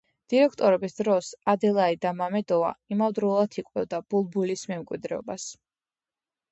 დირექტორობის დროს ადელაიდა მამედოვა იმავდროულად იკვლევდა ბულბულის მემკვიდრეობას.